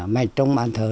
mạch trong bàn thờ